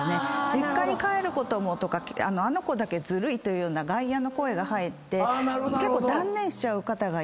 実家に帰ることもあの子だけずるいという外野の声が入って結構断念しちゃう方がいるんです